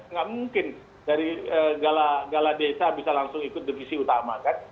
nggak mungkin dari gala desa bisa langsung ikut divisi utama kan